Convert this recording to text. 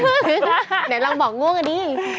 เดี๋ยวลองบอกง่วงกันดี